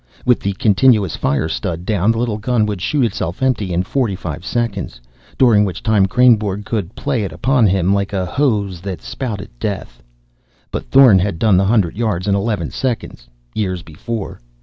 With the continuous fire stud down, the little gun would shoot itself empty in forty five seconds, during which time Kreynborg could play it upon him like a hose that spouted death. But Thorn had done the hundred yards in eleven seconds, years before.